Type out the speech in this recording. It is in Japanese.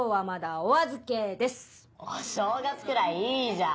お正月くらいいいじゃん。